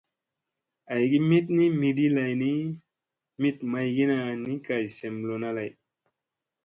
Aygi mit ni miɗi lay ni mit maygina ni kay sem lona lay.